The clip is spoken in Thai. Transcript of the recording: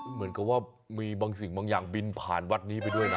เหมือนกับว่ามีบางสิ่งบางอย่างบินผ่านวัดนี้ไปด้วยนะ